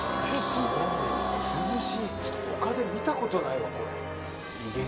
涼しいちょっと他で見たことないわこれ。